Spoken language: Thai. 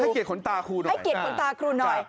ให้เกียรติขนตาครูหน่อยจ้ะจ้ะครูให้เกียรติขนตาครูหน่อย